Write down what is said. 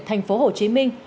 thành phố hồ chí minh